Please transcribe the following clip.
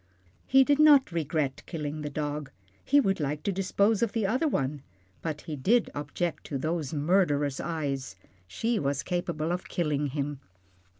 He did not regret killing the dog, he would like to dispose of the other one, but he did object to those murderous eyes. She was capable of killing him.